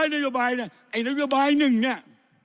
นโยบายเนี่ยไอ้นโยบายหนึ่งเนี่ย